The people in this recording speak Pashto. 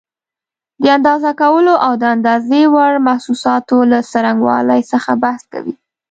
د اندازه کولو او د اندازې وړ محسوساتو له څرنګوالي څخه بحث کوي.